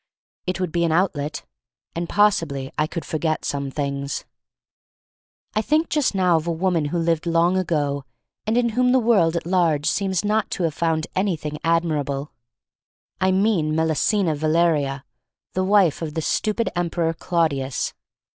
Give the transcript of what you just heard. It would be an outlet — and possibly I could forget some things. I think just now of a woman who lived long ago and in whom the world at large seems not to have found any thing admirable. I mean Messalina Valeria, the wife of the stupid emperor Claudius.